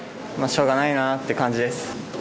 しょうがないなっていう感じです。